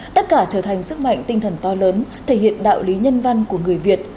tất cả trở thành sức mạnh tinh thần to lớn thể hiện đạo lý nhân văn của người việt